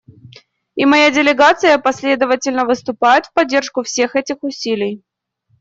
И моя делегация последовательно выступает в поддержку всех этих усилий.